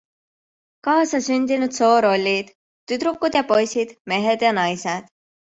Kaasasündinud soorollid - tüdrukud ja poisid, mehed ja naised.